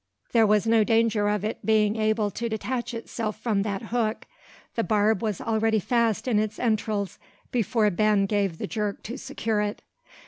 There was no danger of its being able to detach itself from that hook. The barb was already fast in its entrails before Ben gave the jerk to secure it.